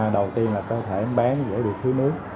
đầu tiên là có thể em bé dễ bị thúi nước